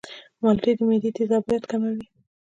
مالټې د معدې تیزابیت کموي.